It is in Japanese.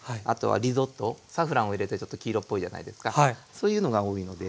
そういうのが多いので。